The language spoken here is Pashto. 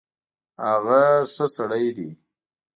هغه ښه سړی ده